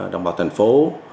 đồng bào thành phố